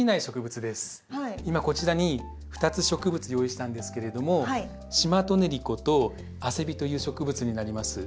今こちらに２つ植物用意したんですけれどもシマトネリコとアセビという植物になります。